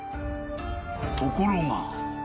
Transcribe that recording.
［ところが］